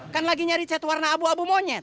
kan lagi nyari chat warna abu abu monyet